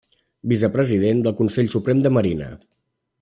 Vicepresident del Consell Suprem de Marina.